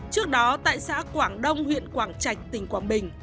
trước đó tại xã quảng đông huyện quảng trạch tỉnh quảng bình